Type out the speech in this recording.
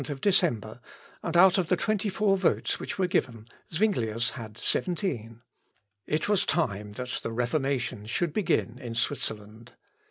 The election took place on the 11th December, and out of the twenty four votes which were given, Zuinglius had seventeen. It was time that the Reformation should begin in Switzerland.